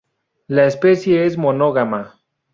La especie es monógama.